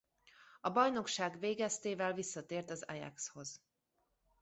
Az bajnokság végeztével visszatért az Ajaxhoz.